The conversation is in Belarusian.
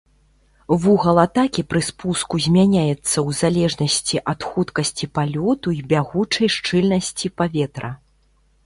Вугал атакі пры спуску змяняецца ў залежнасці ад хуткасці палёту і бягучай шчыльнасці паветра.